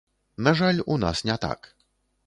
На жаль, у нас не так.